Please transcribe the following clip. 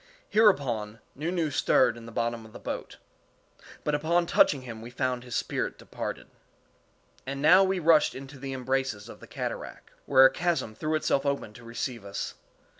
Hereupon Nu Nu stirred in the bottom of the boat; but upon touching him we found his spirit departed. And now we rushed into the embraces of the cataract, where a chasm threw itself open to receive us.